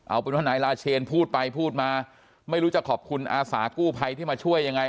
เอาเป็นว่านายลาเชนพูดไปพูดมาไม่รู้จะขอบคุณอาสากู้ภัยที่มาช่วยยังไง